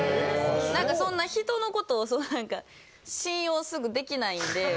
なんかそんな人のことを、なんか信用すぐできないんで。